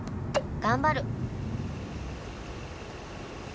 頑張るー」。